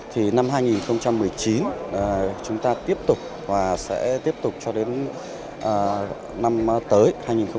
thì năm hai nghìn một mươi chín chúng ta tiếp tục và sẽ tiếp tục cho đến năm tới hai nghìn hai mươi